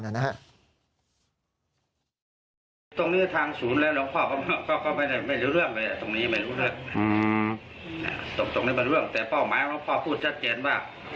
ตรงนี้ทางศูนย์แหลวน้องพ่อไม่รู้เรื่องเลย